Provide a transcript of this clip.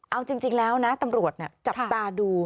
เอาจริงแล้วนะตำรวจจับตาดู